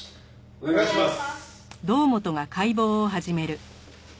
お願いします。